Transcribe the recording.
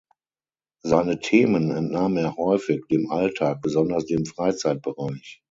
Seine Themen entnahm er häufig dem Alltag, besonders dem Freizeitbereich.